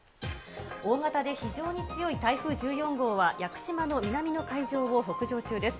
大型で非常に強い台風１４号は屋久島の南の海上を北上中です。